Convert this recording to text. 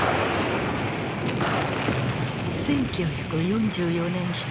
１９４４年７月。